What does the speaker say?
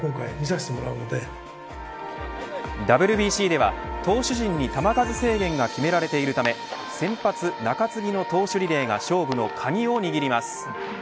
ＷＢＣでは投手陣に球数制限が決められているため先発、中継ぎの投手リレーが勝負の鍵を握ります。